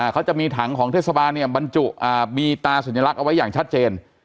เขาจะมีถังของเทศบาลเนี่ยบรรจุบีตาสัญลักษณ์เอาไว้อย่างชัดเจน